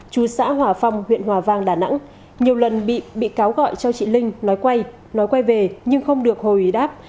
chú xã hòa phong huyện hòa vang đà nẵng nhiều lần bị cáo gọi cho chị linh nói quay nói quay về nhưng không được hồ ý đáp